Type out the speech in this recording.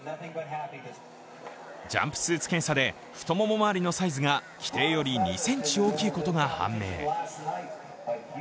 ジャンプスーツ検査で太もも周りのサイズが規定より２ｃｍ大きいことが判明。